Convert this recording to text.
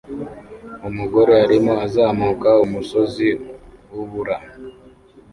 Umugore arimo azamuka umusozi wubura